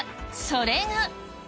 それが。